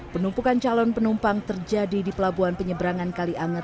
penumpukan calon penumpang terjadi di pelabuhan penyeberangan kali anget